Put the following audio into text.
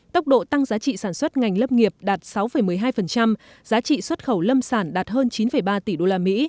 tốc độ tăng giá trị sản xuất ngành lâm nghiệp đạt sáu một mươi hai giá trị xuất khẩu lâm sản đạt hơn chín ba tỷ usd